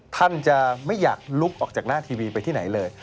ท่านจะไม่อยากลุกออกจากหน้าทีวีไปที่ไหนเลย